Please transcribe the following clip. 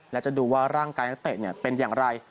และจะดูว่าร่างกายนักเตะเป็นอย่างไร